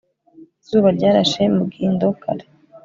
izuba ryarashe mugindo kare